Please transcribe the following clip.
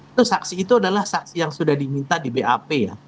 itu saksi itu adalah saksi yang sudah diminta di bap ya